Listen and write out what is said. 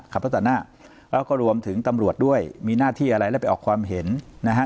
ขับรถตัดหน้าแล้วก็รวมถึงตำรวจด้วยมีหน้าที่อะไรแล้วไปออกความเห็นนะฮะ